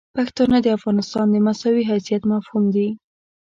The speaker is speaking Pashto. پښتانه د افغانستان د مساوي حیثیت مفهوم دي.